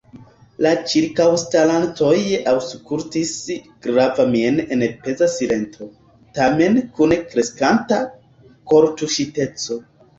La ĉirkaŭstarantoj aŭskultis gravamiene en peza silento, tamen kun kreskanta kortuŝiteco.